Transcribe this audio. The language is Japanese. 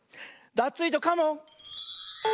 ダツイージョカモン！